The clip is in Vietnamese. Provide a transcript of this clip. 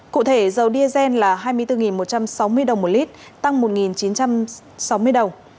cụ thể dầu diesel là hai mươi bốn một trăm sáu mươi đồng một lít tăng một chín trăm sáu mươi đồng